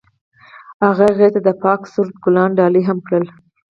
هغه هغې ته د پاک سرود ګلان ډالۍ هم کړل.